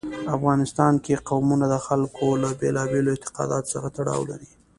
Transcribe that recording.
افغانستان کې قومونه د خلکو له بېلابېلو اعتقاداتو سره تړاو لري.